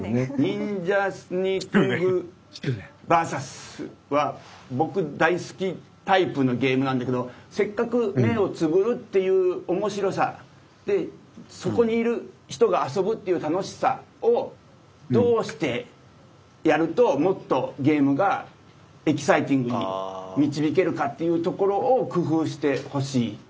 「ＮｉｎｊａＳｎｅａｋｉｎｇＶＳ」は僕大好きタイプのゲームなんだけどせっかく目をつぶるっていう面白さでそこにいる人が遊ぶっていう楽しさをどうしてやるともっとゲームがエキサイティングに導けるかっていうところを工夫してほしい。